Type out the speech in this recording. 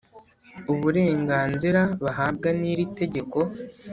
uburenganzira bahabwa n’iri tegeko